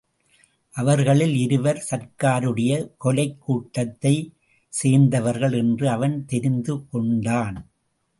அவர்களில் இருவர் சர்க்காருடைய கொலைக் கூட்டத்தைச் சேர்ந்தவர்கள் என்று அவன் தெரிந்து கொண்டான்.